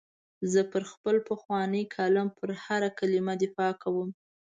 زه پر خپل پخواني کالم پر هره کلمه دفاع کوم.